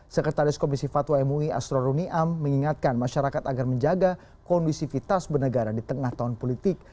sekretaris komisi fatwa mui astro runiam mengingatkan masyarakat agar menjaga kondisivitas bernegara di tengah tahun politik